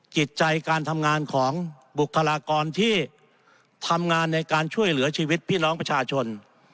จิตใจการทำงานของบุคลากรที่ทำงานในการช่วยเหลือชีวิตพี่น้องประชาชน